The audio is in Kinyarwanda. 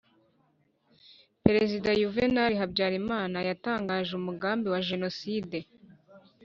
perezida juvénal habyarimana watangaje umugambi wa jenoside